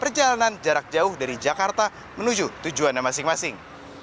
perjalanan jarak jauh dari jakarta menuju tujuan masing masing